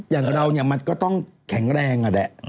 อย่างเรามันก็ต้องแข็งแรง